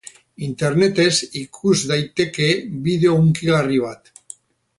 Internetez ikus daiteke bideo hunkigarri bat.